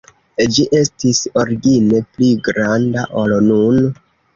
Ĝi estis origine pli granda, ol nun.